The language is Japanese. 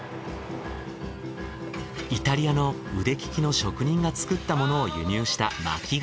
イタリアの腕利きの職人が作ったものを輸入した薪窯。